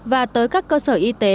và tới các cơ sở y tế